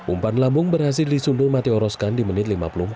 umpan lambung berhasil disundul mati oroskan di menit lima puluh empat